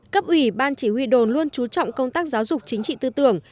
cấp ủy ban chỉ huy đồn luôn trú trọng công tác giáo dục chính trị tư tưởng